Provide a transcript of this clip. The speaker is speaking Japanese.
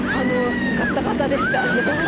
ガタガタでした。